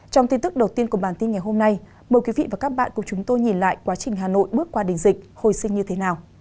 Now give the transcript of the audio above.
trong tin tức đầu tiên của bản tin ngày hôm nay mời quý vị và các bạn cùng chúng tôi nhìn lại quá trình hà nội bước qua đỉnh dịch hồi sinh như thế nào